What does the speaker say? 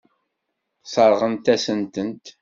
Sseṛɣent-asen-tent.